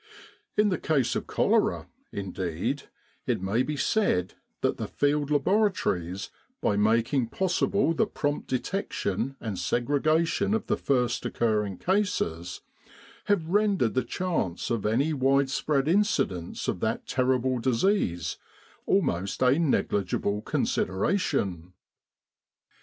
In the case of cholera, indeed, it may be said that the Field Laboratories, by making pos sible the prompt detection and segregation of the first occurring cases, have rendered the chance of any widespread incidence of that terrible disease almost a negligible consideration.